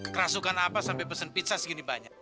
kerasukan apa sampai pesan pizza segini banyak